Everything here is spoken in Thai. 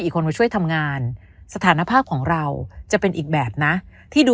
คนมาช่วยทำงานสถานภาพของเราจะเป็นอีกแบบนะที่ดู